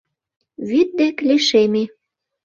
Вӱд дек лишеме.